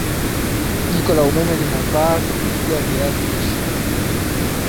jiko la umeme linafaa kupika viazi lishe